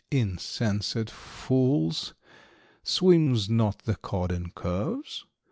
"= Insensate fools. Swims not the Cod in curves?